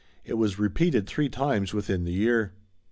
It was repeated three times within the year.